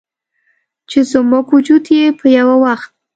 چې زموږ وجود یې په یوه وخت